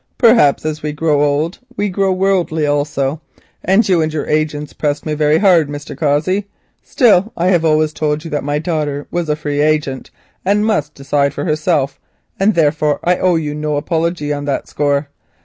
Perhaps as we grow old we grow worldly also, and you and your agents pressed me very hard, Mr. Cossey. Still I have always told you that my daughter was a free agent and must decide for herself, and therefore I owe you no apology on this score.